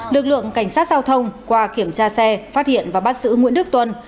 lực lượng cảnh sát giao thông qua kiểm tra xe phát hiện và bắt giữ nguyễn đức tuân